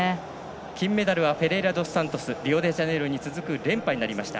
金メダルはフェレイラドスサントスリオデジャネイロに続く連覇になりました。